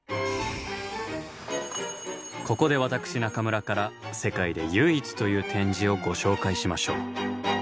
ここで私中村から世界で唯一という展示をご紹介しましょう。